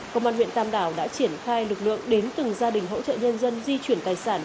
công an huyện tam đảo đã triển khai lực lượng đến từng gia đình hỗ trợ nhân dân di chuyển tài sản